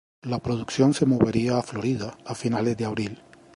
La producción se movería a Florida a finales de abril.